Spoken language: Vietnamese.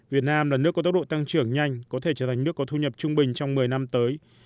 việt nam là nước có tốc độ tăng trưởng nhanh có thể trở thành nước có thu nhập trung bình trong một mươi năm tới